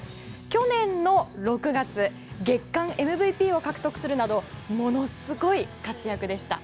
去年の６月月間ＭＶＰを獲得するなどものすごい活躍でした。